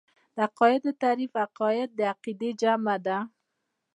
د عقايدو تعريف عقايد د عقيدې جمع ده .